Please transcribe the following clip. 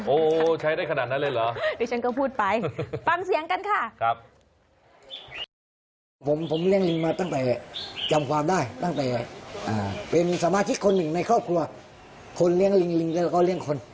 โอ้ใช้ได้ขนาดนั้นเลยเหรอ